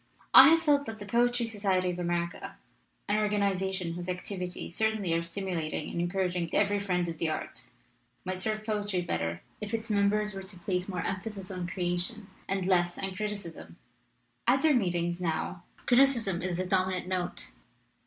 "I have felt that the Poetry Society of America, an organization whose activities certainly are stimulating and encouraging to every friend of the art, might serve poetry better if its members were to place more emphasis on creation and less LITERATURE IN THE MAKING on criticism. At their meetings now criticism is the dominant note.